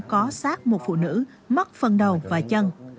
có xác một phụ nữ mất phần đầu và chân